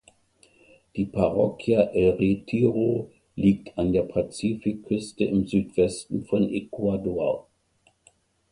Die Parroquia El Retiro liegt an der Pazifikküste im Südwesten von Ecuador.